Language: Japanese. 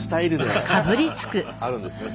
あるんですね